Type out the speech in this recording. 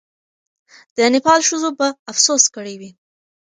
د نېپال ښځو به افسوس کړی وي.